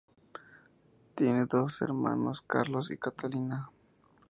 Tiene dos hermanos, Carlos y Catalina.